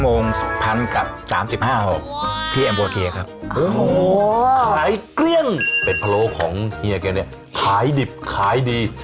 เป็นพะโลของเฮียเกียร์เนี่ยขายดิบขายดี